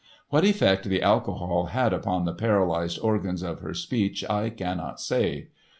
What effect the alcohol had upon the paralysed organs of her speech I cannot say.